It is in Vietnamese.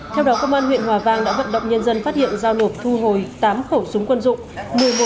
theo đó công an huyện hòa vang đã vận động nhân dân phát hiện giao nộp thu hồi tám khẩu súng quân dụng